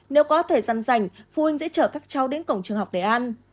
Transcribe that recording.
nếu có thời gian dành phụ huynh sẽ chở các cháu đến cổng trường học để ăn